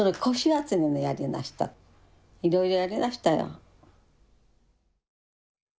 いろいろやりましたよ。